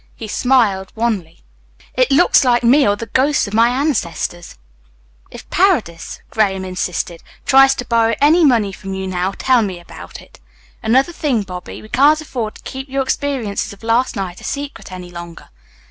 He smiled wanly. "It looks like me or the ghosts of my ancestors." "If Paredes," Graham insisted, "tries to borrow any money from you now, tell me about it. Another thing, Bobby. We can't afford to keep your experiences of last night a secret any longer."